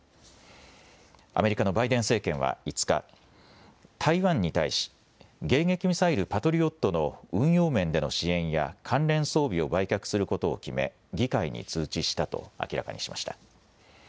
アメリカのバイデン政権は５日、台湾に対し迎撃ミサイル、パトリオットの運用面での支援や関連装備を売却することを決め、議会に通知したと明らかにしました。